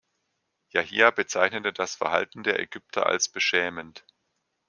Yahia bezeichnete das Verhalten der Ägypter als "beschämend".